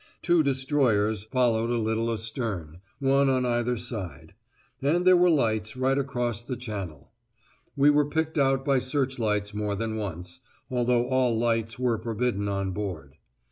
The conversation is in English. Two destroyers followed a little astern, one on either side; and there were lights right across the Channel. We were picked out by searchlights more than once, although all lights were forbidden on board.